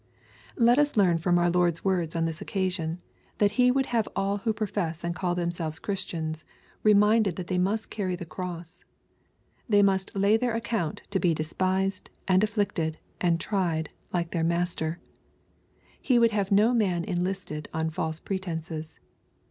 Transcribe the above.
Let us learn from our Lord's words on this occasion, that He would have all who profess and call themselves Christians reminded that they must carry the cross They must lay their account to be despised, and afflict* ed, and tried, like their Master. He would have no man enlisted on false pretences.